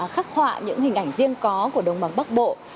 khắc họa những hình ảnh riêng có của đồng bằng bắc bộ